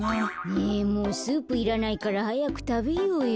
ねえもうスープいらないからはやくたべようよ。